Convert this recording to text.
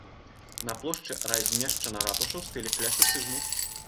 На плошчы размешчана ратуша ў стылі класіцызму.